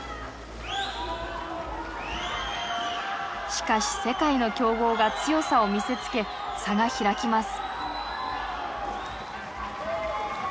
しかし世界の強豪が強さを見せつけ差が開きます。